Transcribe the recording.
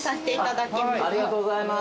ありがとうございます。